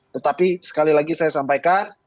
tetapi sekali lagi saya sampaikan